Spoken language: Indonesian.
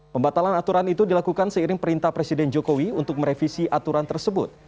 pembatalan aturan itu dilakukan seiring perintah presiden jokowi untuk merevisi aturan tersebut